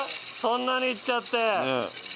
そんなにいっちゃって。